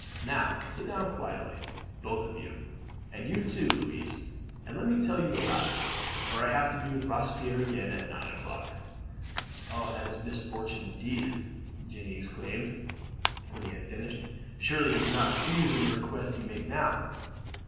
Now, sit down quietly, both of you, and you too, Louise, and let me tell you all about it, for I have to be with Robespierre again at nine o'clock." "Oh, that is fortunate indeed!" Jeanne exclaimed when he had finished. "Surely he cannot refuse any request you may make now."